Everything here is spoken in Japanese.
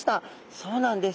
そうなんです。